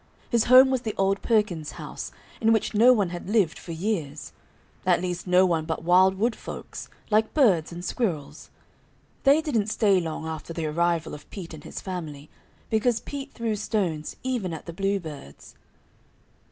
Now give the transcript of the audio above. His home was the old Perkins' house, in which no one had lived for years; at least no one but wild wood folks, like birds and squirrels. They didn't stay long after the arrival of Pete and his family, because Pete threw stones even at the bluebirds.